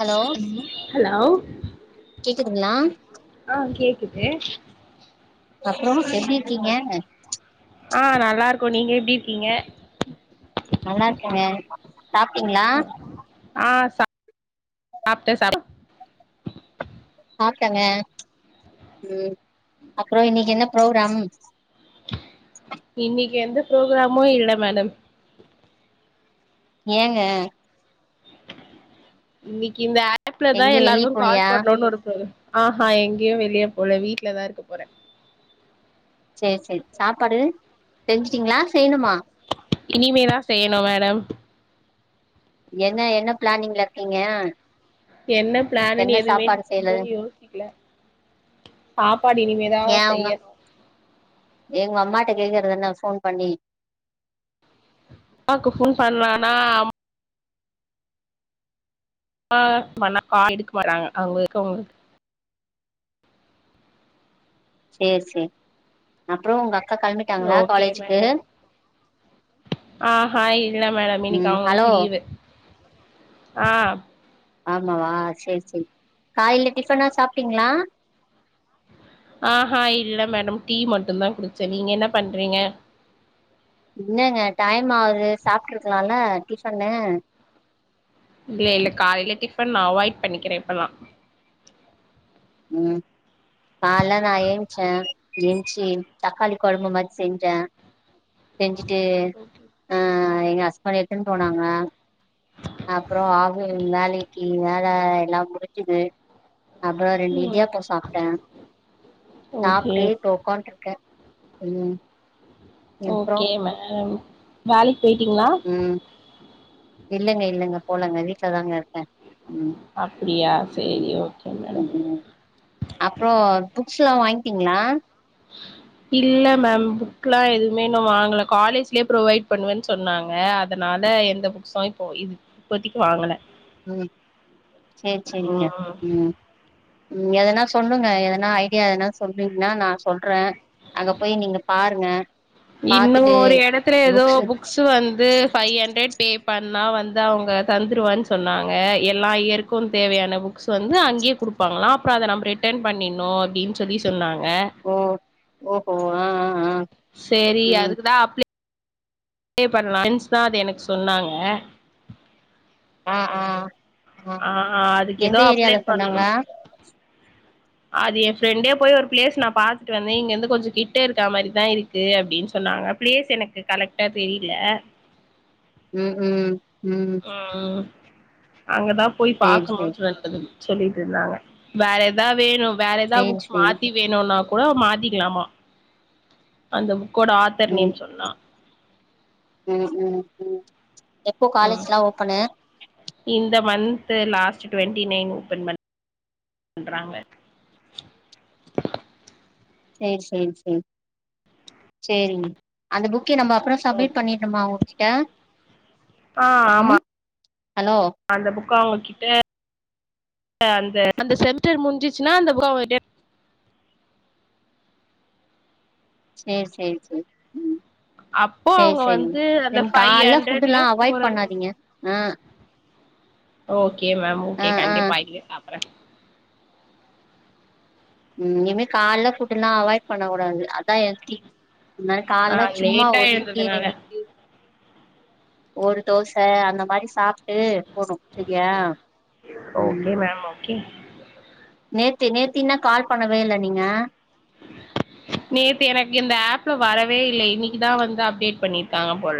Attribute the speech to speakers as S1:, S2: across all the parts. S1: hello
S2: hello
S1: ங்களா
S2: ஆஹ் கேக்குது
S1: அப்பறம் எப்டி இருக்கீங்க
S2: ஆஹ் நல்லா இருக்கும் நீங்க எப்டி இருக்கீங்க
S1: நல்லா இருக்கேங்க சாப்பிட்டீங்களா
S2: சாப்பிட்ட சப்
S1: சாப்பிட்டங்க உம் அப்பறம் இன்னைக்கு என்ன ப்ரோக்ராம்
S2: இன்னைக்கு எந்த ப்ரோக்ராமு இல்ல மேடம்
S1: ஏங்க
S2: இன்னைக்கு இந்த ஆ ஆப்ல தான்
S1: எங்கயு வெளிய
S2: எல்லாருக்கும் கால்
S1: போலியா
S2: பண்ணணோன்னனு இருக்கு ஆஹ்ஹா எங்கேயும் வெளியே போல வீட்டு்லதான் இருக்க போறேன்
S1: சேரி சேரி சாப்பாடு செஞ்சுட்டீங்களா செய்யணுமா
S2: இனிமேதான் செய்யணும் மேடம்
S1: என்ன என்ன பிளானிங்ல இருக்கீங்க
S2: என்ன பிளான்ன்னு
S1: என்ன
S2: எதுவுமே
S1: சாப்பாடு செய்யறது
S2: யோசிக்கல சாப்பாடு
S1: ஏ
S2: இனிமேதான்
S1: உங்க
S2: செய்யணும்
S1: கேக்கறதன்ன போன் பண்ணி
S2: அம்மாக்கு போன் பண்ணலானா ஆஹ்ண்ணா எடுக்க மாட்டாங்க அவங்க இருக்ருரவங்களுக்கு
S1: சேரி சேரி அப்பறம் உங்க அக்கா கெளம்பிட்டாங்களா
S2: ஒகே
S1: காலேஜுக்கு
S2: மேடம் ஆஹ்ஹ் இல்ல மேடம் இன்னைக்கு
S1: ம் ஹலோ
S2: அவங்களுக்கு லீவு ஆஹ்
S1: ஆமாவா சேரி சேரி காயில டிஃபனா சாப்பிட்டீங்களா
S2: ஆஹ்ஹா இல்ல மேடம் டீ மட்டும் தான் குடிச்சேன் நீங்க என்ன பண்றீங்க
S1: என்னங்க டைம் ஆகுது சாப்பிட்டு இருக்கலாம்ல டிபன்னு
S2: இல்ல இல்ல காலையில டிபன் நா அவாய்ட் பண்ணிக்கிறேன் இப்பலாம்
S1: உம் காலலா நான் ஏந்திச்சேன் ஏன் ச்சி தக்காளி குழம்பு மாரி செஞ்சேன் செஞ்சுட்டு ஆஹ் எங்க ஹஸ்பண்ட் எடுத்து போனாங்க அப்பறம் வேலைக்கு வேலை எல்லாம் முடிச்சது ஒரு ரெண்டு
S2: ம்
S1: இடியப்பாம் சாப்பிட்டேன்
S2: ஓகே
S1: சாப்பிட்டு உக்கான்ட்டு இருக்கேன் உம்
S2: ஓக்கே மேன் வேலிக் போயிட்டிங்குளா
S1: இல்லைங்க இல்லங்க போலங்க வீட்டுலதாங்க இருக்கே ம்
S2: அப்டியா செரி ஓகே மேடம்
S1: அப்புறோ புக்ஸ் எல்லா வாங்கிட்டீங்ளா
S2: இல்ல மேம் புக்குல்லா எதுவுமே நா வாங்குல காலேஜ்லே ப்ரொவைட் பண்ணுவேன் சொன்னாங்க அதனால எந்த புக்ஸ் வாயிங் போ இது இப்போத்திக்கு வாங்குனே
S1: உம் சேர் சேரிங்க
S2: ம்
S1: உம் ம் எதுனா சொல்லுங்க எதுனா ஐடியா எனா சொன்னீங்கன்னா நா சொல்றே அங்க போய் நீங்க பாத் [unintelligible]
S2: இன்னு ஒரு எடத்துல எதோ புக்ஸ்சு வந்து பைய் ஹண்ட்ரட் பே பண்ணா வந்து அவுங்க தந்துருவேன் சொன்னாங்க எல்லா இயருக்கு தேவையான புக்ஸ்சு வந்து அங்கியே குடுப்பாங்குளா அப்புறோ அத நம்ம ரிட்டர்ன் பண்ணிருணும் அப்டின் சொல்லி சொன்னாங்
S1: ஓ ஒ ஓ அஹ் ஆஹ் ஆஹ்
S2: சேரி அதுக்குதா அப்லே அதே பண்ணலான் ப்ரெண்ஸ்சு தா அதை எனக் சொன்னாங்க
S1: ஆஹ் ஆஹ்
S2: ஆஹ்ஹ அதுக் எதா அப்ளை
S1: சொன்னாங்களா
S2: பண்ணணும் அது எ ப்ரெண்டே போய் ஒரு பிளேஸ் நா பாத்துட்டு வந்தேன் இங்க இருந்து கொஞ்சு கிட்ட இருக்கா மாரிதா இருக்கு அப்டின் சொன்னாங்க பிளேஸ் எனக்கு கலேக்ட்டா தெரியில
S1: உம் ம் உம்
S2: ம் அங்கதா போய் பாக்கணுன்னு சொல்லிட் சொல்லிட்டு இருந்தாங்க வேற எதாவுது வேணும் வேற எதா
S1: சேரி
S2: புக்ஸ்
S1: சேரி
S2: மாத்தி வேணுன்னாத கூட மாத்திக்குலாம அந்த புக் கூட ஆத்தர் நேம் சொன்னா
S1: உம் உம் உம் எப்போ
S2: ம்
S1: காலேஜ்லா ஓப்பனு
S2: இந்த மந்த்து லாஸ்ட்டு டொட்ண்டிநைன் ஓபன் பண் பண்றாங்க
S1: சேர் சேர் சேர் சேரிங் அந்த புக்கே நம்ம அப்புறம் சப்மிட் பண்ணிருணமா உங்குகிட்ட
S2: ஆ
S1: உம் ஹலோ
S2: கோ அவுங்க கிட்ட [unintelligible]
S1: சேரி சேரி சேரி
S2: அப்போ
S1: சேரி
S2: அவங்க
S1: சேரிங்க
S2: வந்து அந்த
S1: தென்
S2: ஃபைவ்
S1: கால்ல
S2: ஹண்ட்ரெட்ல
S1: ஃபுட்டு்ல்லா அவாய்ட்
S2: ஃபோர் ஹண்ட்ரட்
S1: பண்ணாதீங்க ஆ
S2: ஓகே மேம்
S1: ஆ
S2: ஓகே
S1: ஆ
S2: கண்டிப்பா [unintelligible] சாப் டறே
S1: உம் இனிமே காலல ஃபுட்லா அவாய்ட் பண்ணக் கூடாது அதா ஹெல்த்தி இந் மாரி
S2: ஆ
S1: காலல சும்மா
S2: லேட்டா
S1: ஒரு இட்லி
S2: எழுந்ததுனால
S1: ரெண்டு இட்லி ஒரு தோச அந்த மாரி சாப் டு போது செரியா உம்
S2: கே
S1: நேத்தி நேத்தி என்னா கால் பண்ணவே இல்ல நீங்க
S2: நேத்து எனக்கு இந்த ஆப்ல வரவே இல்ல இன்னைக்குதா வந்து அப்டேட் பண்ணிருக்காங்க போ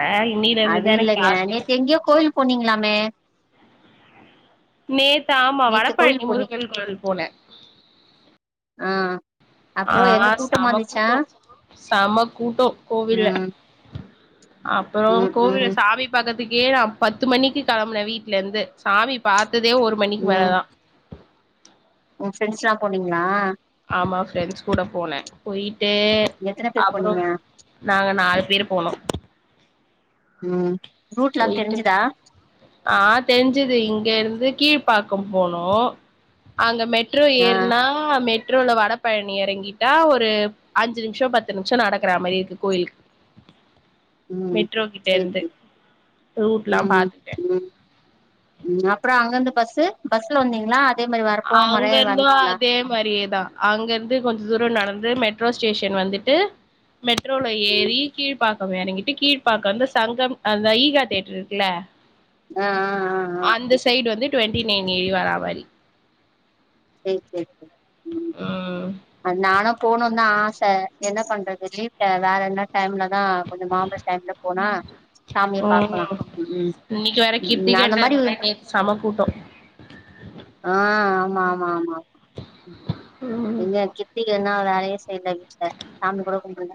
S1: அது இல்லங்க நேத்து எங்கயோ கோயில் போனீங்களாமே
S2: நேத் தா ஆமா
S1: நேத்து
S2: வடபழனி
S1: கோயில் போனி
S2: முருகன் கோயில் போனே
S1: ஆஹ்
S2: ஆஹ் செம கூட்டோ செம கூட்டோ கோவில்ல
S1: ம்
S2: அப்புறோ
S1: ம்
S2: கோவில்ல
S1: ம்
S2: சாமி பாக்கற துக்கே நா பத்து மணிக்கு கெளம்புன வீட்ல இருந்து சாமி பாத் ததே ஒரு மணிக்கு மேலதா
S1: உ ஃப்ரெண்ட்ஸ்லா போனீங்களா
S2: ஆமா ஃப்ரெண்ட்ஸ் கூட போனே போயி ட்டு
S1: எத்தன பேர்
S2: அப்புறோ
S1: போனீங்க
S2: நாங்க நாலு பேர் போனோ
S1: உம்
S2: போயிட்டு ஆஹ் தெரிஞ்சுது இங்க இருந் து கீழ்பாக்கோ போனோ அங்க மெ ட்ரோ
S1: ஆ
S2: ஏறுனா மெ ட்ரோல வடபழனி எறங்கிட்டா ஒரு அஞ்சு நிமிஷோ பத்து நிமிஷோ நடக்கறா மாரி இருக்கு கோயில் மெட்ரோ கிட்ட இருந்து ரூட்லா
S1: உம்
S2: பாத்துட்டே
S1: உம் உம் அப்றோ அங்கிருந்து பஸ்ஸு பஸ்ல வந்தீங்களா அதே மாரி வரப்போ மறே
S2: அங்க இருந்து
S1: வந்தீங்களா
S2: அதே மாரியேதா அங்க இருந்து கொஞ்ச தூரம் நடந் து மெட்ரோ ஸ்டேஷன் வந்துட்டு மெட்ரோல
S1: ம்
S2: ஏறி கீழ்பாக் கோ எறங்கிட்டு கீழ்பாக்கோ வந்து சங்கம் அந்த ஈகா தியேட்டர் இருக்குல்ல
S1: ஆஹ் ஆஹ் ஆஹ் ஆஹ்
S2: டுவென்டி நைன் ஏ [unintelligible]
S1: சேரி சேரி சேரி
S2: உம்
S1: நானும் போகணும் தா ஆச ச என்ன பண்றது லீப்ப வேற என்ன டைம்ல தான் கொஞ்ச நார்மல் டைம்ல போனா சாமிய பாக்கலா
S2: ம்
S1: உம் உம்
S2: இன்னைக்கு வேற
S1: உம் உம் அந்த மாரி
S2: கிருத்திகன்றதுனால நேத்து செம கூட்டோ
S1: ஆஹ் ஆமா ஆமா
S2: ம்
S1: என் கத்தி னா வேலையே செய்யல வீட்ல சாமி கூட கும்பில்ல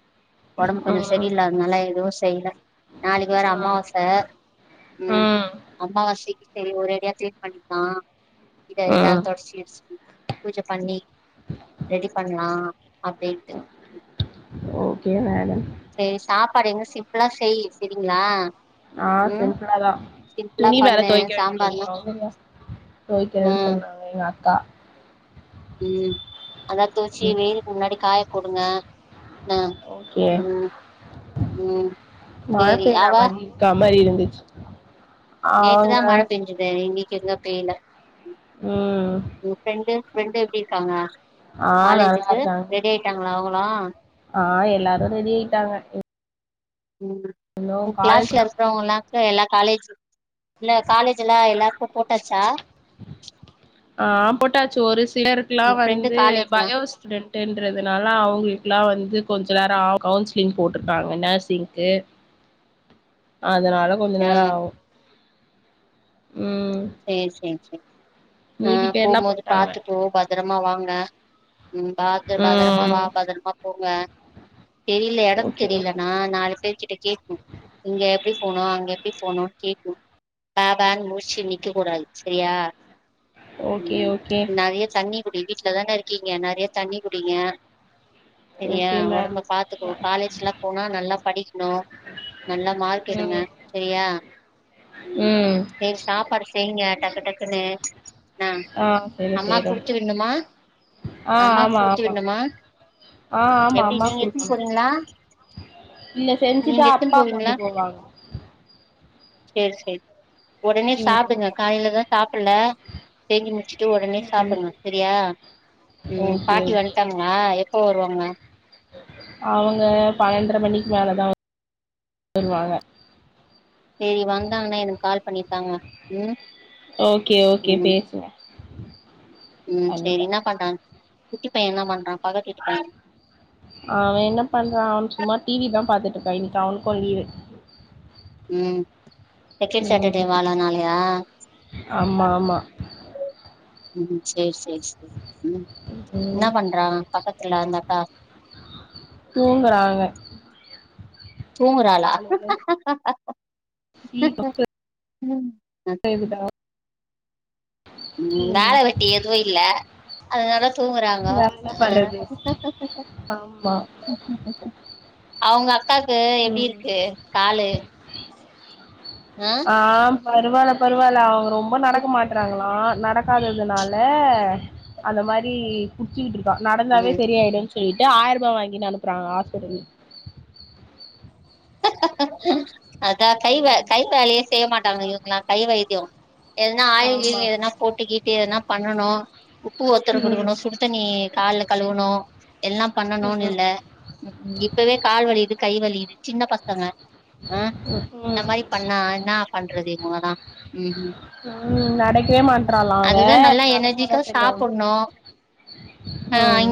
S1: உடம்பு கொஞ்சம்
S2: ம்
S1: சரியில்ல அதனாலா எது செய்ல நாளைக்கு வேற
S2: ம்
S1: அமாவாச உம்
S2: ம்
S1: அம்மாவாசைக் சேரி ஒருரஐடியா கிளீன் பண்ணிக்கலா வீட்டை இதெல்லாம்
S2: ம்
S1: தொடச்சி இடுசி பூஜை பண்ணி ரெடி பண்ணலாம் அப்டின்டு
S2: ஓகே மேடம்
S1: சேரி சாப்பாடு எங்க சிம்பிளா செய்
S2: ஆஹ்
S1: ம்
S2: சிம்பிளாதான்
S1: சிம்பிளா
S2: துணி வேற
S1: பண்ணு
S2: துவைக்க வேண்டியது
S1: சாம்பார்லா
S2: இருக்கு அவங்க இல்லா துவைக்கறன்னு சொன்னாங்க எங்க அ த்த
S1: உம் அதா துவச்சு
S2: ம்
S1: வெயில் க்கு முன்னாடி காய கொடுங்க
S2: ஓகே
S1: ம்
S2: மழை
S1: சேரி அவ
S2: பெய்யிரமாரி இருக்க மாதிரி இரு [unintelligible]
S1: நேத்துதான் மழை பெய்ச்சட்தோ இன்னைக்கு எங்க பெய்யல
S2: ம்
S1: உ ஃப்ரெண்டு பிரண்டு எப்படி இருக்காங்க
S2: ஆஹ் நல்லா
S1: காலேஜுக்கு
S2: இருக்காங்க
S1: ரெடி ஆயிட்டாங்களா அவங்களா
S2: ஆஹ் எல்லாரும் ரெடி ஆயிட்டாங்க
S1: உ
S2: இன்னு
S1: உ
S2: காலேஜ்
S1: கிளாஸ்ல இருக்கறவங்கா எல்லா காலேஜ் இல்ல காலேஜ்லாம் எல்லாருக்கும் போட்டாச்சா உங்க
S2: சிலருக்கெல்லாம்
S1: ஃப்ரெண்டு
S2: வந்து
S1: காலேஜ்லா
S2: பயோ ஸ்டுடெண்டன்றதுனால அவங்களுயெல்லாம் வந்து கொஞ்சம் நேரம் கவுன்சிலிங் போட்டிருக்காங்க நர்சிங்க்கு அதனால கொஞ்ச
S1: ஆ
S2: நேரம் ஆகும்
S1: சேரி சேரி சேரி
S2: மீதி
S1: ஆஹ்
S2: பேர்லா
S1: போம்போது
S2: போட்டாங்க
S1: பாத்து போ பத்திரம் அம்மா வாங்க உம் பாத்து பதரமா
S2: ம்
S1: வா பதரமா போங்க தெரில எடம்
S2: ஓகே ஓகே
S1: தெரிலனா நாலு பேரு கிட்ட கேட்னும் இங்க எப்டி போனும் அங்க எப்டி போனு கேட்னும் பா பான்னு முழிச்சுனு நிக் க்கக்க கூடாது செரியா
S2: ஓகே ஓகே
S1: தண்ணி குடி வீட்டலதானே இருக்கீங்க நறைய தண்ணி குடிங்க செரியா
S2: ஓகே மேம்
S1: ஒடம்ப பாத்துக்கோ காலேஜ் எல்லாம் போனா நல்லா படிக்கணும் நல்லா மார்க் எடுங்க
S2: ம்
S1: சரியா உம்
S2: ம்
S1: செரி சாப்பாடு கே டக்கு டக்குனு உம்
S2: ஆஹ் செய்ற செய்ற ஆஹ்
S1: அம்மாக்கு
S2: ஆமா
S1: குடுத்து
S2: ஆமா
S1: விடணுமா
S2: ஆஹ் ஆமா
S1: எப்டி
S2: அம்மா
S1: நீங்க எத்துன்னு
S2: குடுக்கணும்
S1: போறீங்களா
S2: இல்ல செஞ்சுட்டா
S1: நீங்க எத்துன்னு
S2: அப்பா கொண்டு போவாங்க
S1: செரி செரி ஒடனே சாப்
S2: ம்
S1: டுங்க காலைல தான் சாப்புல செஞ்சு முச்சுட்டு ஒடனே
S2: ம்
S1: சாப்புடுங்க சரியா ம்
S2: ஓகே
S1: பாட்டி
S2: ஓகே
S1: வந்துட்டாங்களா எப்ப வருவாங்க
S2: அவங்க பன்னென்ர மணிக்கு மேலதான் வருவாங்க
S1: செரி வந்தாங்கன்னா எனக்கு கால் பண்ணிதாங்க உம்
S2: ஓகே ஓகே பேசுங்க
S1: உம்
S2: பண்ணி
S1: செரி
S2: தரே
S1: என்ன பன்றாங்க குட்டிப்பையன் என்ன பண்றான் பக்கத்து வீட்டுபையன்
S2: அவன் என்ன பண்றான் அவன் சும்மா டிவி தான் பாத்துட்டுருக்கான் இன்னைக்கு அவனுக்கும் லீவு
S1: உம் செகண்ட் சாட்டர்டே
S2: ம்
S1: வா அதநாளயா
S2: ஆமா ஆமா
S1: உம் சேர் சேரி உம் இன்னா
S2: ம்
S1: பண்றான் பக்க லாந்தட்டா
S2: தூங்குறாங்க
S1: தூங்கரால
S2: காலையில
S1: உம்
S2: செய்துடா
S1: உம் வேல
S2: ம்
S1: வெட்டி எதுவு இல்ல அதனால தூங்குறாங்க
S2: வேற என்ன
S1: அஹ்
S2: பண்றது ஆமா
S1: அவங்க அக்காக்கு எப்டி
S2: ம்
S1: இருக்கு காலு ஆ
S2: ஆஹ் பரவால்ல பரவால்ல அவங்க ரொம்ப நடக்க மாட்றாங்க க்லா நடக்காததுனால அந்த மாரி குட்டிட்டு இருக் க்கா நடந்தாவே
S1: ம்
S2: சரி ஆயிடுன்னு சொல்லிட்டு ஆயர் ரூபா வாங்கினு அனுப்புறாங்களா ஹாஸ்பிட்டல்
S1: அதா கை வேல
S2: ம்
S1: கை வேலயே செய்ய மாட்டாங்க இவங்கல்லா கை வைத்யோ எதனா ஆயில்
S2: ஆமா
S1: கீயில் எதனா போட்டு கீட்டு எதனா பண்ணனு பூ ஒத்தடோ
S2: ம்
S1: குடுக்கணு சுடு தண்ணி கால்ல கழுவுணு எல்லா
S2: ம்
S1: பண்ணணுன்னு இல்ல ம் ம் இப்பவே கால் வலிக்குது கை வலிக்குது சின்ன பசங்க ஆஹ்
S2: ம்
S1: இந்த
S2: ம்
S1: மாரி பண்ணா என்னா பண்றது [unintelligible] உம்
S2: உம் நடக்கவே மாட்றாலா அவ
S1: அதுதா நல்லா
S2: நடந்தாதா
S1: எனர்ஜிக்கா
S2: சரி ஆவு
S1: சாப்புட்ணு
S2: உம்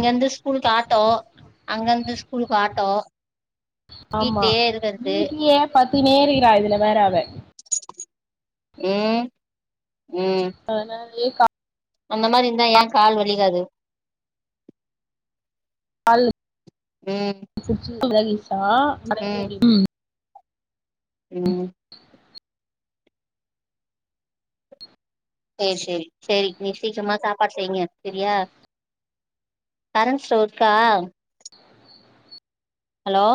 S1: அங்க இருந்து ஸ்கூலுக்கு ஆட்டோ
S2: ஆமா
S1: வீட்லயே இருக்கறது
S2: வீட்லயே பட் துனே இருக்கறா இதுல வேற அவ
S1: உம் உம்
S2: ஏக்கா
S1: அந்த மாரி இருந்தா ஏன் கால் வலிக்காது
S2: கால்
S1: ம்
S2: [inaudible] ஆ [unintelligible] ம்
S1: உம் சேரி சேரி சேரி நீ சீக்கிரமா சாப்பாடு செய்யுங்க சரியா கரண்ட் ஸ்டவ் இருக்கா ஹலோ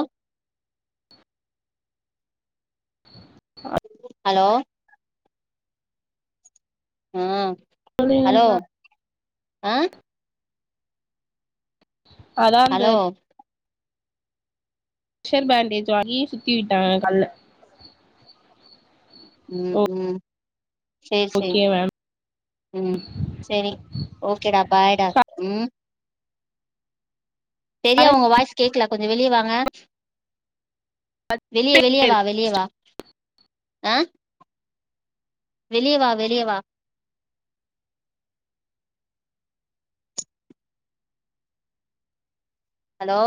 S2: [inaudible]
S1: ஹலோ உம்
S2: சொல்லு என்ன
S1: ஆஹ
S2: அதான் இந்த
S1: ஹலோ
S2: பிரெஷர் பேண்டேஜ் வாங்கி சுத்தி விட்டாங்க கல்ல
S1: உம் உம் சேரி சேரி
S2: ஓகே மேம்
S1: ம் சேரி ஓகே டா பாய் டா உம் சரியா உங்க வாய்ஸ் கேட்கல கொஞ்ச வெளியே வாங்க வெளியே
S2: கரண்ட்
S1: வெளியவா வெளியவா ஆஹ வெளியவா வெளியவா ஹலோ